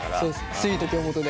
スイート京本で。